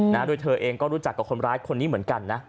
ด้วยเธอเองก็รู้จักกับคนร้ายคนนี้เหมือนกันนะ